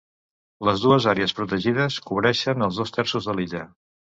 Les dues àrees protegides cobreixen els dos terços de l'illa.